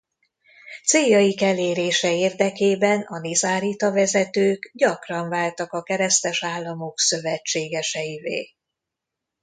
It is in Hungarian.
Céljaik elérése érdekében a nizárita vezetők gyakran váltak a keresztes államok szövetségeseivé.